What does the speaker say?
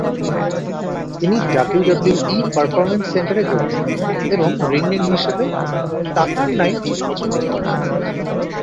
তিনি WWE performance সেন্টারে যোগ দেন এবং রিং নেম হিসেবে টাকার নাইট পছন্দ করেন।